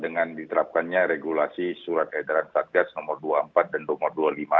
dengan diterapkannya regulasi surat edaran satgas nomor dua puluh empat dan nomor dua puluh lima